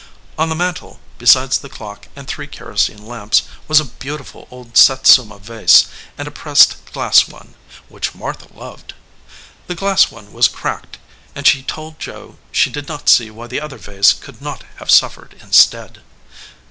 On the mantel, besides the clock and three kerosene lamps, was a beautiful old Satsuma vase, and a pressed glass one, which Martha loved. The glass one was cracked, and she told Joe she did not see why the other vase could not have suffered in stead.